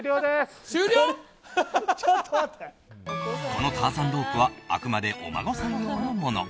このターザンロープはあくまで、お孫さん用のもの。